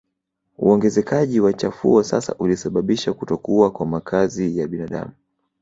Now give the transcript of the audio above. Uongezekaji wa chafuo sasa ulisababisha kutokuwa kwa makazi ya binadamu